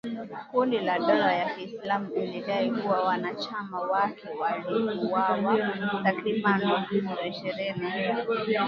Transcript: Kundi la dola ya Kiislamu ilidai kuwa wanachama wake waliwauwa takribani wakristo ishirini